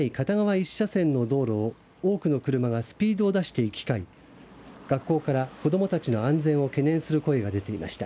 １車線の道路を多くの車がスピードを出して行き交い学校から子どもたちの安全を懸念する声が出ていました。